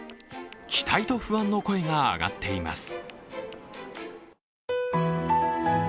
期待と不安の声が上がっています。